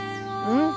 うん！